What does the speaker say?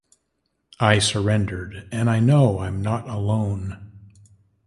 I surrendered and I know I'm not alone.